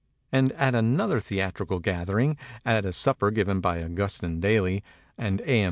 And at another the atrical gathering, at a supper given by Augustin Daly and A. M.